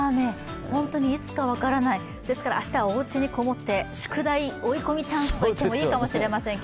いつか分からない、ですから明日はおうちにこもって、宿題チャンスがいいかもしれませんね。